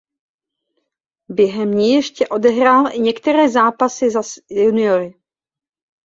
Během ní ještě odehrál i některé zápasy za juniory.